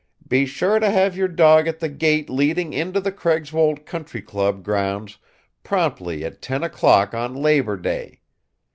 "Be sure to have your dog at the gate leading into the Craigswold Country Club grounds promptly at ten o'clock on Labor Day.